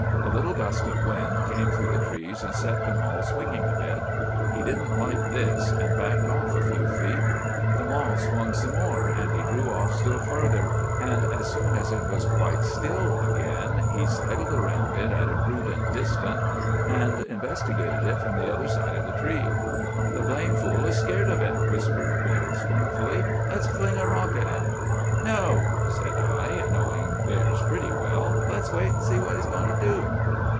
A little gust of wind came through the trees and set the mall swinging a bit. He didn't like this, and backed off a few feet. The mall swung some more, and he drew off still farther; and as soon as it was quite still again, he sidled around it at a prudent distance, and investigated it from the other side of the tree. "'"The blame fool is scared of it," whispered Bill scornfully; "let's fling a rock at him!" "'"No," said I, knowing bears pretty well; "let's wait and see what he's going to do."